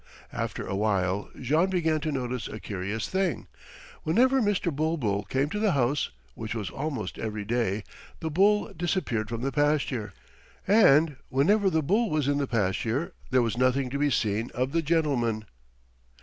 After a while Jean began to notice a curious thing. Whenever Mr. Bulbul came to the house, which was almost every day, the bull disappeared from the pasture, and whenever the bull was in the pasture there was nothing to be seen of the gentleman.